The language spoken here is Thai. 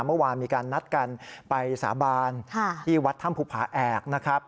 เมื่อวานมีการนัดกันไปสาบานที่วัดถ้ำภูผาแอกนะครับ